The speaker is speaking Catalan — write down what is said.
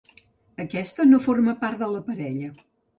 Aquesta no forma part de la parella.